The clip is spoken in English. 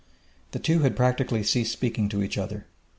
The two had practically ceased speaking to each other.